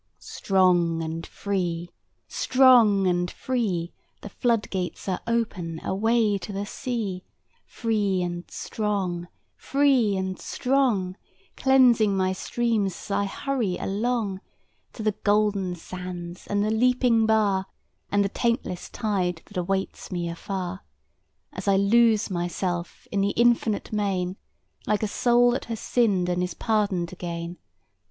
Strong and free, strong and free, The floodgates are open, away to the sea, Free and strong, free and strong, Cleansing my streams as I hurry along, To the golden sands, and the leaping bar, And the taintless tide that awaits me afar. As I lose myself in the infinite main, Like a soul that has sinned and is pardoned again.